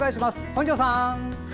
本庄さん。